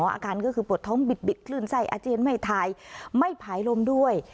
อาการก็คือปวดท้องบิดคลื่นไส้อาเจียนไม่ทายไม่ผายลมด้วย